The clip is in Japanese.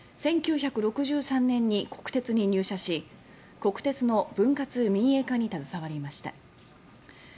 １９６３年に国鉄に入社し国鉄の分割民営化に携わりました。